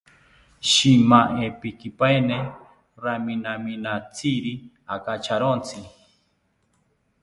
Shimaempikipaeni raminaminatziri akacharontzi